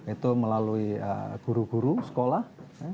itu melalui guru guru sekolah